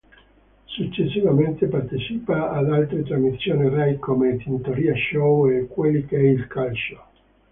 Successivamente partecipa ad altre trasmissioni Rai come "Tintoria Show" e "Quelli che il calcio".